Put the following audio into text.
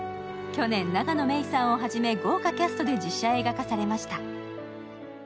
去年、永野芽郁さんをはじめ豪華キャストで実写映画化されました。